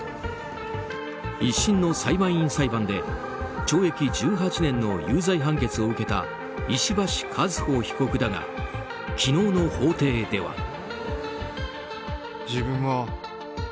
一審の裁判員裁判で懲役１８年の有罪判決を受けた石橋和歩被告だが昨日の法廷では。